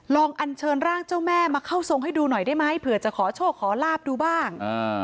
อันเชิญร่างเจ้าแม่มาเข้าทรงให้ดูหน่อยได้ไหมเผื่อจะขอโชคขอลาบดูบ้าง